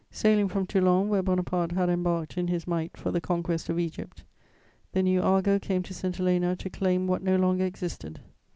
Sailing from Toulon, where Bonaparte had embarked in his might for the conquest of Egypt, the new Argo came to St. Helena to claim what no longer existed.